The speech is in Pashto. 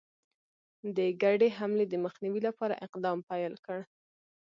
د ګډي حملې د مخنیوي لپاره اقدام پیل کړ.